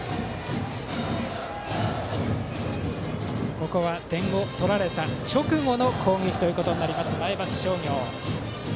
ここは点を取られた直後の攻撃となる前橋商業。